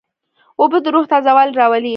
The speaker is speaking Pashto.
اوبه د روح تازهوالی راولي.